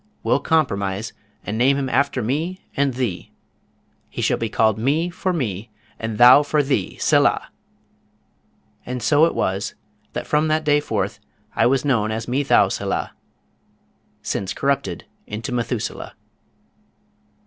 "We'll compromise, and name him after me and thee. He shall be called Me for me, and Thou for thee, Selah!" And so it was that from that day forth I was known as Methouselah, since corrupted into Methuselah.